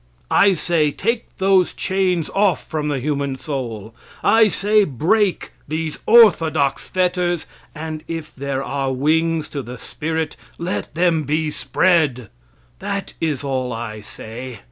I say, take those chains off from the human soul; I say, break these orthodox fetters, and if there are wings to the spirit let them be spread. That is all I say.